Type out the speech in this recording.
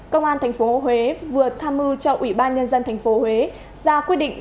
công an thành phố huế vừa tham mưu cho ủy ban nhân dân thành phố huế ra quyết định